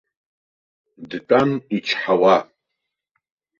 Дтәан ичҳауа.